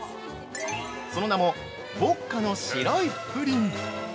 その名も「牧家の白いプリン」